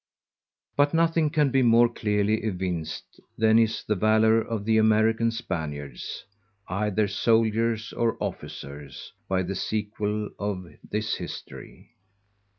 _ But nothing can be more clearly evinced, than is the Valour of the American Spaniards, _either Souldiers or Officers, by the sequel of this History.